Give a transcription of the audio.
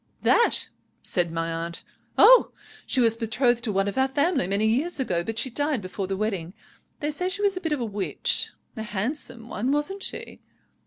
"'That?' said my aunt. 'Oh! she was betrothed to one of our family many years ago, but she died before the wedding. They say she was a bit of a witch. A handsome one, wasn't she?'